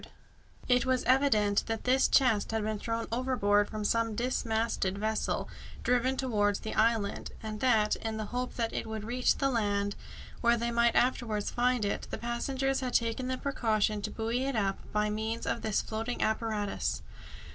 [Illustration: FLOTSAM AND JETSAM] It was evident that this chest had been thrown overboard from some dismasted vessel driven towards the island, and that, in the hope that it would reach the land, where they might afterwards find it, the passengers had taken the precaution to buoy it up by means of this floating apparatus.